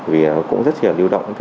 vì cũng rất nhiều lưu động